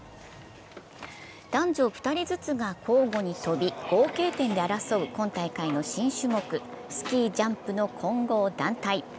男女２人ずつが交互に飛び、合計点で争う今大会の新種目、スキージャンプの混合団体。